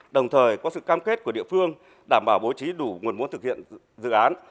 đồng thời có sự cam kết của địa phương đảm bảo bố trí đủ nguồn vốn thực hiện dự án